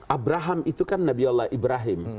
abraham itu kan nabi allah ibrahim